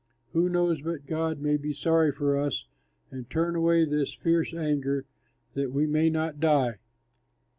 Who knows but God may be sorry for us and turn away his fierce anger, that we may not die."